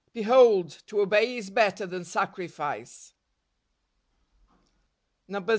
Behold , to obey is better than sacrifice DECEMBER.